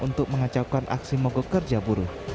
untuk mengacaukan aksi mogok kerja buruh